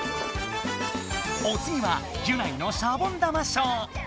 おつぎはギュナイのシャボン玉ショー。